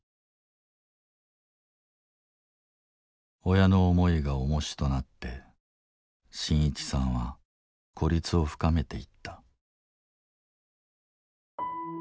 親の思いがおもしとなって伸一さんは孤立を深めていった。